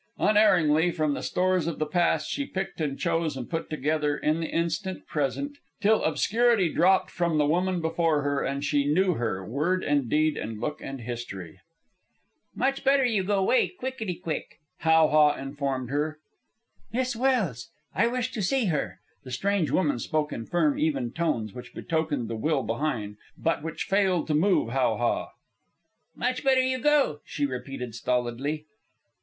Unerringly from the stores of the past she picked and chose and put together in the instant present, till obscurity dropped from the woman before her, and she knew her, word and deed and look and history. "Much better you go 'way quickety quick," How ha informed her. "Miss Welse. I wish to see her." The strange woman spoke in firm, even tones which betokened the will behind, but which failed to move How ha. "Much better you go," she repeated, stolidly.